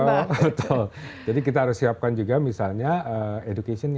betul jadi kita harus siapkan juga misalnya education nya